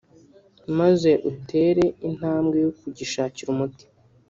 maze utere intambwe yo kugishakira umuti